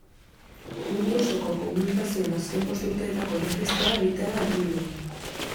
Mundu osoko komunikazioen azken bost urteetako erregistroa egitea da helburua.